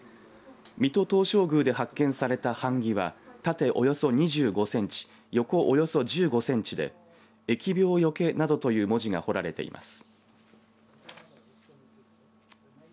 水戸東照宮で発見された版木は縦およそ２５センチ横およそ１５センチで疫病除などという文字が彫られています。